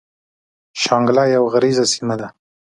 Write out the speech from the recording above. شانګله يوه غريزه سيمه ده ـ